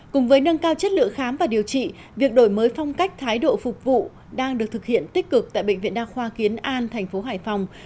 cùng với nâng cao chất lượng khám và điều trị việc đổi mới phong cách thái độ phục vụ đang được thực hiện tích cực tại bệnh viện đa khoa kiến an thành phố hải phòng